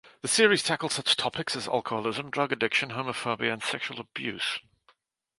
The series tackled such topics as alcoholism, drug addiction, homophobia, and sexual abuse.